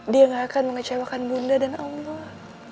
dia gak akan mengecewakan bunda dan allah